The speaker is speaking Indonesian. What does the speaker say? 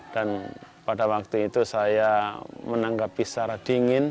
dan pada waktu itu saya menanggapi secara dingin